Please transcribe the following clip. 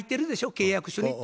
契約書に」と。